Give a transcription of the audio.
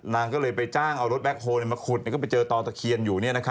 นางก็เลยไปจ้างเอารถแบ็คโฮลมาขุดก็ไปเจอตอตะเคียนอยู่